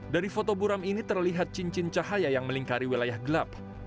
dari foto buram ini terlihat cincin cahaya yang melingkari wilayah gelap